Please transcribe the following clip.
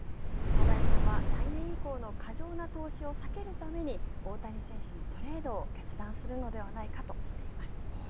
小林さんは、来年以降の過剰な投資を避けるために大谷選手のトレードを決断するのではないかとしています。